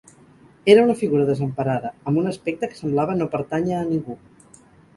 Era una figura desemparada, amb un aspecte que semblava no pertànyer a ningú.